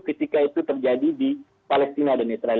ketika itu terjadi di palestina dan israel